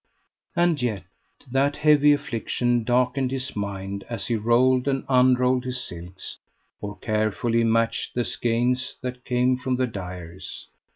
And yet that heavy affliction darkened his mind as he rolled and unrolled his silks, or carefully matched the skeins that came from the dyers.